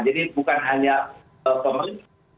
jadi bukan hanya pemerintah